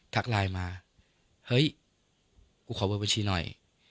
ถักไลน์มาเฮ้ยขอบบัญชีหน่อย